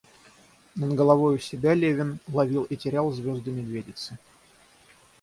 Над головой у себя Левин ловил и терял звезды Медведицы.